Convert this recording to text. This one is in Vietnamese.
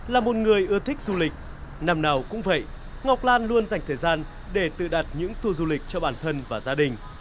là một người ưa thích du lịch năm nào cũng vậy ngọc lan luôn dành thời gian để tự đặt những tour du lịch cho bản thân và gia đình